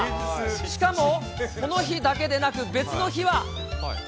しかも、この日だけでなく、別の日は。